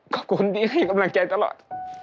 ขอบคุณที่ให้กำลังใจตลอด